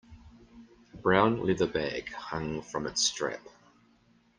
A brown leather bag hung from its strap.